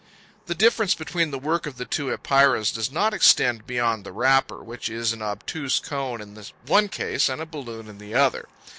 The difference between the work of the two Epeirae does not extend beyond the wrapper, which is an obtuse cone in the one case and a balloon in the other.